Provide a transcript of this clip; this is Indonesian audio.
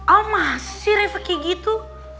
oh masih reva kayak gitu